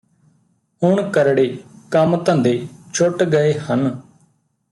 ਹੁਣ ਕਰੜੇ ਕੰਮ ਧੰਦੇ ਛੁੱਟ ਗਏ ਹਨ